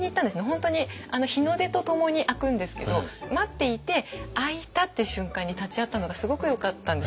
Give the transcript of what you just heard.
本当に日の出とともに開くんですけど待っていて開いたっていう瞬間に立ち会ったのがすごくよかったんです。